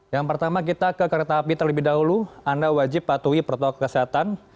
yang pertama kita ke kereta api terlebih dahulu anda wajib patuhi protokol kesehatan